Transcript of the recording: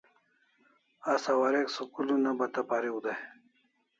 Asa warek school una bata pariu dai